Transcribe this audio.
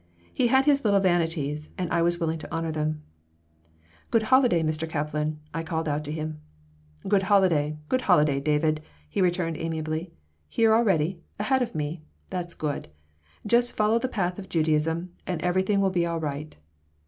He had his little vanities and I was willing to humor them "Good holiday, Mr. Kaplan!" I called out to him "Good holiday! Good holiday, David!" he returned, amiably. "Here already? Ahead of me? That's good! Just follow the path of Judaism and everything will be all right."